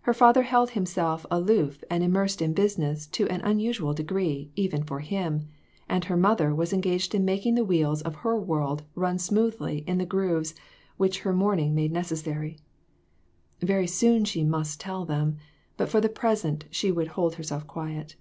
Her father held himself aloof and immersed in business to an unusual degree, even for him ; and her mother was engaged in making the wheels of her world run smoothly in the grooves which her mourning made necessary. Very soon she must tell them, but for the present she would hold herself quiet.